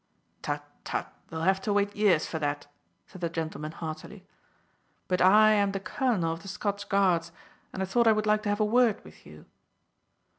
"Tut, tut! they'll have to wait years for that," said the gentleman heartily. "But I am the colonel of the Scots Guards, and I thought I would like to have a word with you."